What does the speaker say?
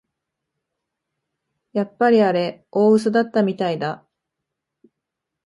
やっぱりあれ大うそだったみたいだ